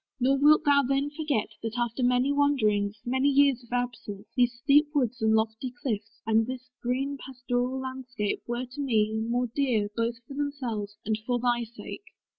Nor wilt thou then forget, That after many wanderings, many years Of absence, these steep woods and lofty cliffs, And this green pastoral landscape, were to me More dear, both for themselves, and for thy sake.